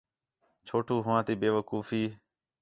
چھوٹو ہوآں تی بیوقوفی